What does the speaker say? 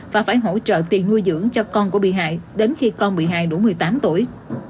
và phải hỗ trợ tiền nuôi dưỡng cho con của bị hại đến khi con bị hại đủ một mươi tám tuổi